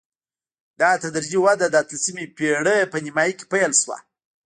دا تدریجي وده د اتلسمې پېړۍ په نیمايي کې پیل شوه.